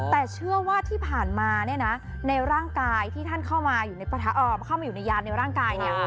แต่เชื่อว่าที่ผ่านมาเนี่ยนะในร่างกายที่ท่านเข้ามาอยู่ในยานในร่างกายเนี่ย